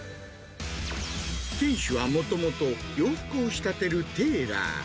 店主はもともと、洋服を仕立てるテーラー。